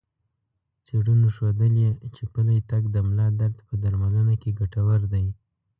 څېړنو ښودلي چې پلی تګ د ملا درد په درملنه کې ګټور دی.